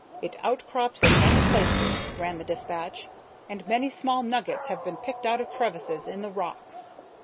"It outcrops in many places," ran the despatch, "and many small nuggets have been picked out of crevices in the rocks."